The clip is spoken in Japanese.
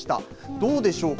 どうでしょうか。